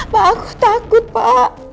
pak aku takut pak